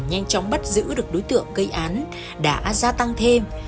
nhanh chóng bắt giữ được đối tượng gây án đã gia tăng thêm